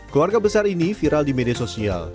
keluarga besar ini viral di media sosial